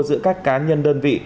giữa các cá nhân đơn vị